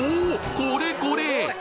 これこれ！